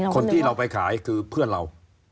คนที่เราไปขายคือเพื่อนเรา